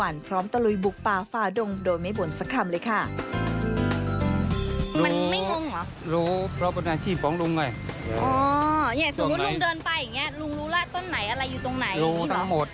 อยู่ตรงไหนนี่หรอรู้ทั้งหมด